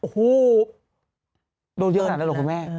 โหโดนเยินแล้วหรอคุณแม่